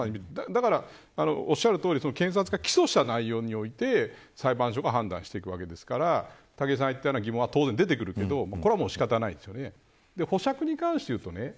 だから、おっしゃるとおり検察が起訴した内容において、裁判所が判断していくわけですから武井さんが言ったような疑問も当然出てくるけどこれは仕方ないですね。